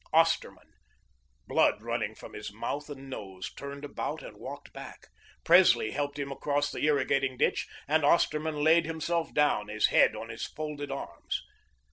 Osterman, blood running from his mouth and nose, turned about and walked back. Presley helped him across the irrigating ditch and Osterman laid himself down, his head on his folded arms.